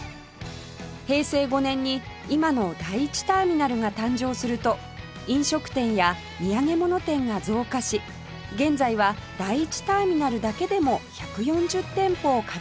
平成５年に今の第１ターミナルが誕生すると飲食店や土産物店が増加し現在は第１ターミナルだけでも１４０店舗を数えるほどに